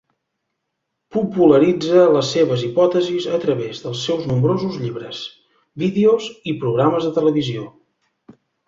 Popularitza les seves hipòtesis a través dels seus nombrosos llibres, vídeos i programes de televisió.